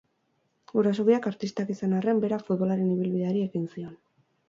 Guraso biak artistak izan arren, berak futbolaren ibilbideari ekin zion.